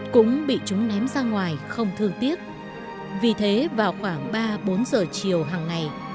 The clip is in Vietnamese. cũng bị chúng ném ra ngoài không thương tiếc vì thế vào khoảng ba bốn giờ chiều hằng ngày